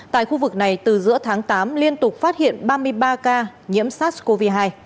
tại khu vực này từ giữa tháng tám liên tục phát hiện ba mươi ba ca nhiễm sars cov hai